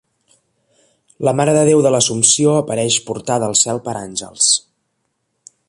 La marededéu de l'Assumpció apareix portada al cel per àngels.